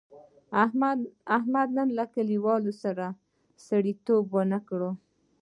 احمد نن له کلیوالو سړیتیوب و نه کړ.